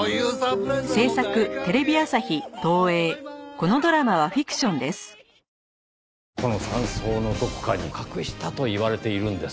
この山荘のどこかに隠したといわれているんです。